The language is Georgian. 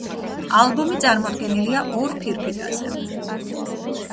ალბომი წარმოდგენილია ორ ფირფიტაზე.